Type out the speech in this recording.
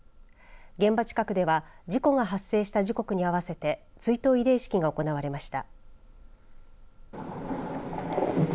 現場近くでは事故が発生した時刻に合わせて追悼慰霊式が行われました。